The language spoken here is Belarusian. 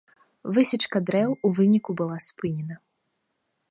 Высечка дрэў у выніку была спынена.